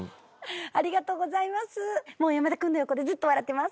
ありがとうございます。